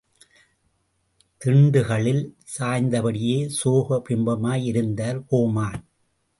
திண்டுகளில் சாய்ந்தபடியே சோக பிம்பமாக இருந்தார் கோமான்.